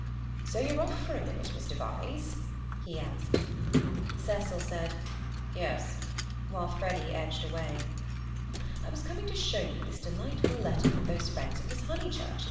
"So you're off for a minute, Mr. Vyse?" he asked. Cecil said, "Yes," while Freddy edged away. "I was coming to show you this delightful letter from those friends of Miss Honeychurch."